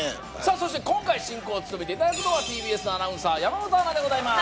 そして今回進行を務めていただくのはＴＢＳのアナウンサー山本アナでございます